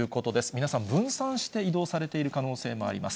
皆さん、分散して移動されている可能性もあります。